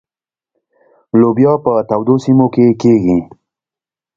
لوبیا په تودو سیمو کې کیږي.